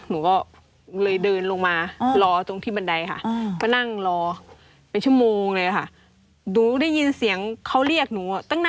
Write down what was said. หนูก็เลยเดินลงมารอตรงที่บันไดค่ะก็นั่งรอเป็นชั่วโมงเลยค่ะ